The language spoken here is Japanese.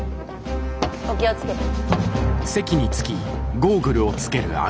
お気を付けて。